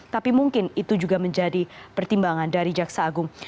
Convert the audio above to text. tapi mungkin itu juga menjadi pertimbangan dari jaksa agung